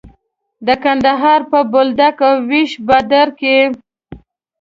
د کندهار په بولدک او ويش باډر کې.